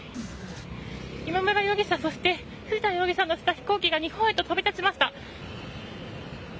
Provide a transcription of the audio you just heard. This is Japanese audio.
今村容疑者、そして藤田容疑者を乗せた飛行機が日本へと飛び立ちました。